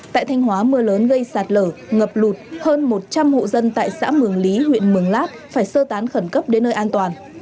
tại thanh hóa mưa lớn gây sạt lở ngập lụt hơn một trăm linh hộ dân tại xã mường lý huyện mường lát phải sơ tán khẩn cấp đến nơi an toàn